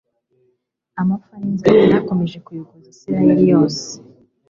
Amapfa ninzara byakomeje kuyogoza Isirayeli yose